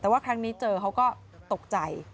แต่ว่าครั้งนี้เจอเขาก็ตกใจ